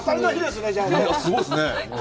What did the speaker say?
すごいですね。